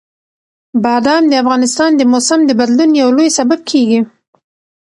بادام د افغانستان د موسم د بدلون یو لوی سبب کېږي.